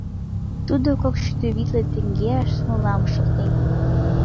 Тудо кок шӱдӧ витле теҥгеаш смолам шолтен.